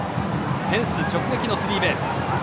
フェンス直撃のスリーベース。